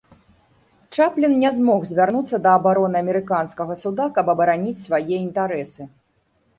Чаплін не змог звярнуцца да абароны амерыканскага суда, каб абараніць свае інтарэсы.